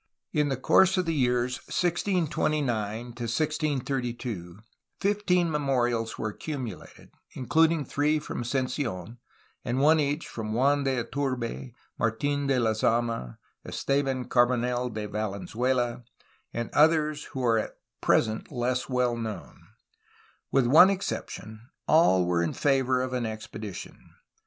In the course of the years 1629 1632 fifteen memorials were accumulated, including three from Ascensi6n, and one each from Juan de Iturbe, Martin de Lezama, Esteban Carbonel de Valenzuela, and others who are at present less well known. With one exception all were in favor of an expedition.